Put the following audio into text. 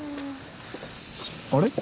あれ？